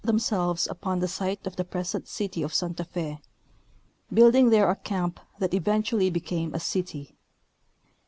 themselves upon the site of the present city of Santa Fe, build ing there a camp that eventually became a city.